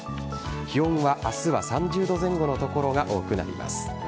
気温は明日は３０度前後の所が多くなります。